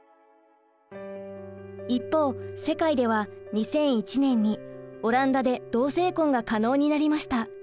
一方世界では２００１年にオランダで同性婚が可能になりました。